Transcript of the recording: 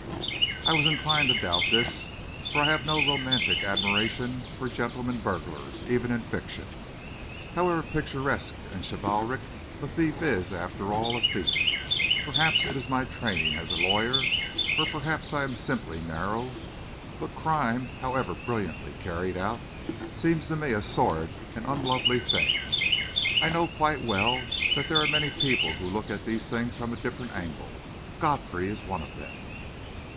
I was inclined to doubt this, for I have no romantic admiration for gentlemen burglars, even in fiction. However picturesque and chivalric, a thief is, after all, a thief. Perhaps it is my training as a lawyer, or perhaps I am simply narrow, but crime, however brilliantly carried out, seems to me a sordid and unlovely thing. I know quite well that there are many people who look at these things from a different angle, Godfrey is one of them.